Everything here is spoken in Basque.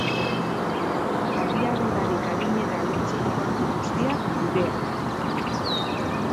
Abiadurarik arinena lortzeko gako guztiak, gurean!